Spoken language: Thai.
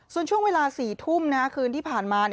ส่วนช่วงเวลา๔ทุ่มคืนที่ผ่านมา